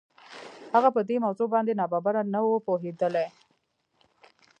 هغه په دې موضوع باندې ناببره نه و پوهېدلی.